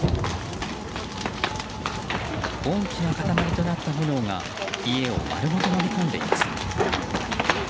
大きなかたまりとなった炎が家を丸ごとのみ込んでいます。